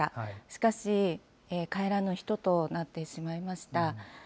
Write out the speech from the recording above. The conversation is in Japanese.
しかし、帰らぬ人となってしまいました。